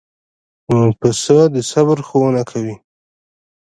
پسه د صبر ښوونه کوي.